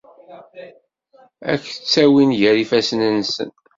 Ad k-ttawin gar yifassen-nsen.